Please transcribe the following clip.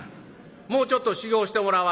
もうちょっと修業してもらわんと」。